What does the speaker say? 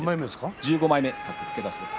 １５枚目格付け出しです。